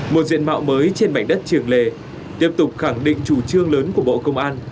một diện mạo mới trên mảnh đất trường lề tiếp tục khẳng định chủ trương lớn của bộ công an